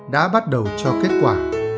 đã bắt đầu cho kết quả